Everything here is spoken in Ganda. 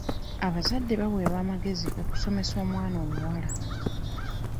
Abazadde baweebwa amagezi okusomesa omwana omuwala.